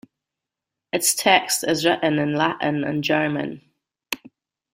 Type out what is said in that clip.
Its text is written in Latin and German.